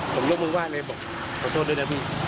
ผมยกมือไห้เลยบอกขอโทษด้วยนะพี่